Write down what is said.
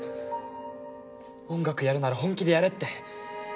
音楽やるなら本気でやれって。